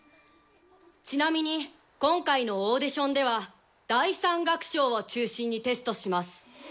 ちなみに今回のオーディションでは「第３楽章」を中心にテストします。